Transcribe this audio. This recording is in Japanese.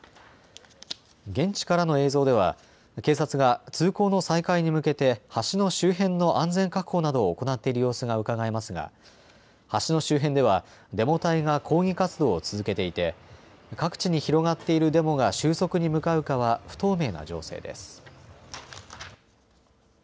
現地からの映像では警察が通行の再開に向けて橋の周辺の安全確保などを行っている様子がうかがえますが橋の周辺ではデモ隊が抗議活動を続けていて各地に広がっているデモが収束に向かうかは不透明な情勢です。